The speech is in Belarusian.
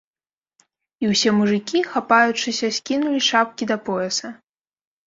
І ўсе мужыкі, хапаючыся, скінулі шапкі да пояса.